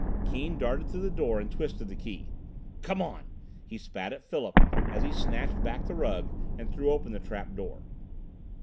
Keane darted to the door and twisted the key. "Come on!" he spat at Philip as he snatched back the rug and threw open the trap door.